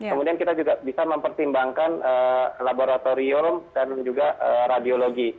kemudian kita juga bisa mempertimbangkan laboratorium dan juga radiologi